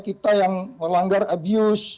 kita yang melanggar abuse